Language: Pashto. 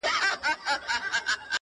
انسان انسان دی انسان څۀ ته وایي ,